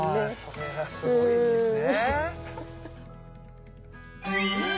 それはすごいですね。